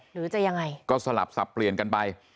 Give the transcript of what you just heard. หรือจะยังไงก็สลับสับเปลี่ยนกันไป